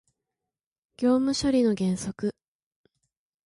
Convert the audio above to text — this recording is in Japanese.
業務処理の原則